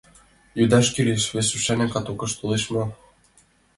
— Йодаш кӱлеш, вес рушарнян катокыш толеш мо...